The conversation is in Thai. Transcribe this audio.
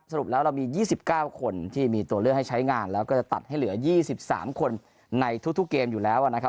สรุปแล้วเรามี๒๙คนที่มีตัวเลือกให้ใช้งานแล้วก็จะตัดให้เหลือ๒๓คนในทุกเกมอยู่แล้วนะครับ